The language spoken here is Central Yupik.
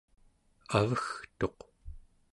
avegtuq